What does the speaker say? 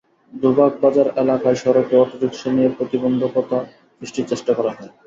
দুবাগ বাজার এলাকার সড়কে অটোরিকশা দিয়ে প্রতিবন্ধকতা সৃষ্টির চেষ্টা করা হয়।